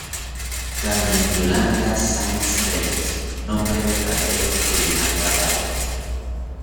Carmen Yolanda Sainz Reyes, nombre verdadero de Yolanda Varela.